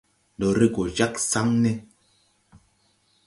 Ndo re go jāg saŋ ne.